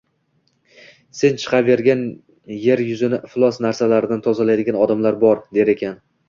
Sen chiqavergin, yer yuzini iflos narsalardan tozalaydigan odamlar bor, der ekan.